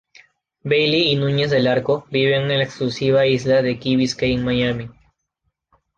Bayly y Nuñez del Arco viven en la exclusiva isla de Key Biscayne, Miami.